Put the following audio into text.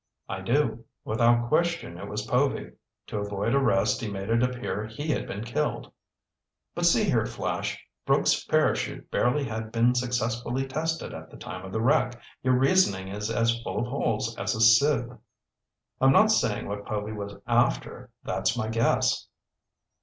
"I do. Without question it was Povy. To avoid arrest, he made it appear he had been killed." "But see here, Flash, Brooks' parachute barely had been successfully tested at the time of the wreck. Your reasoning is as full of holes as a sieve." "I'm not saying what Povy was after. That's my guess."